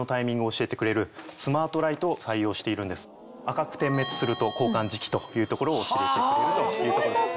赤く点滅すると交換時期というところを教えてくれるという。